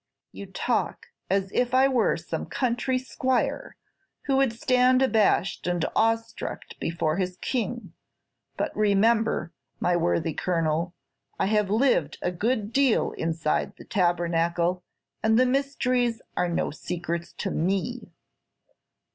"You talk as if I were some country squire who would stand abashed and awe struck before his King; but remember, my worthy Colonel, I have lived a good deal inside the tabernacle, and its mysteries are no secrets to me.